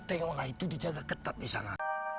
tan itu dijaga ketat di sana